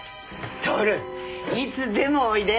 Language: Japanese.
享いつでもおいで。